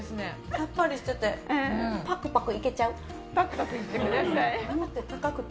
さっぱりしててパクパクいけちゃう。